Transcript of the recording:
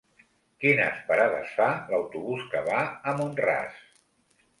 Quines parades fa l'autobús que va a Mont-ras?